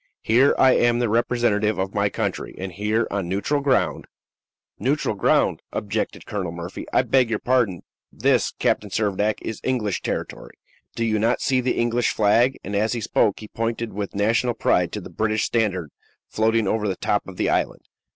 Here I am the representative of my country, and here, on neutral ground " "Neutral ground?" objected Colonel Murphy; "I beg your pardon. This, Captain Servadac, is English territory. Do you not see the English flag?" and, as he spoke, he pointed with national pride to the British standard floating over the top of the island.